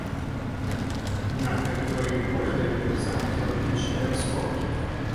На тэрыторыі горада вядуцца археалагічныя раскопкі.